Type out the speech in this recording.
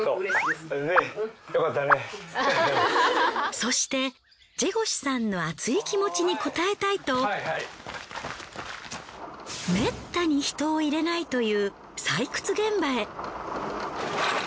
そしてジェゴシュさんの熱い気持ちに応えたいとめったに人を入れないという採掘現場へ。